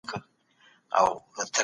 ریښتونولي د علمي کار اساس جوړوي.